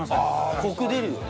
コク出るよね。